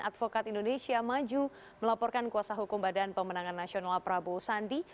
advokat indonesia maju melaporkan kuasa hukum badan pemenangan nasional prabowo sandi